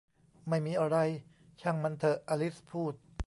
ไม่มีอะไร ช่างมันเถอะ อลิสพูด